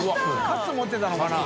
カツ持ってたのかな？